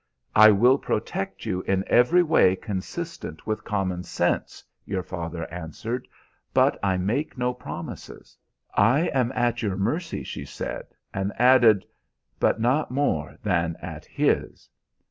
"'I will protect you in every way consistent with common sense,' your father answered, 'but I make no promises.' "'I am at your mercy,' she said, and added, 'but not more than at his.'